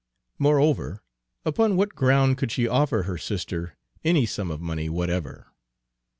Moreover, upon what ground could she offer her sister any sum of money whatever?